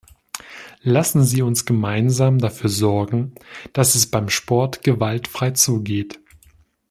Lassen Sie uns gemeinsam dafür sorgen, dass es beim Sport gewaltfrei zugeht.